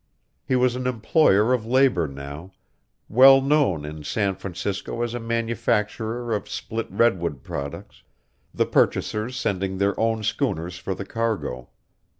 He was an employer of labour now, well known in San Francisco as a manufacturer of split redwood products, the purchasers sending their own schooners for the cargo.